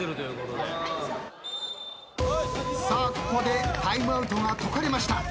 さあここでタイムアウトが解かれました。